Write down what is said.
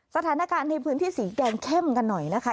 สถานการณ์ในพื้นที่สีแดงเข้มกันหน่อยนะคะ